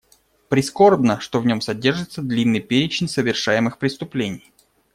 Прискорбно, что в нем содержится длинный перечень совершаемых преступлений.